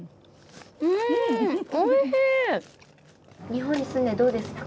日本に住んでどうですか？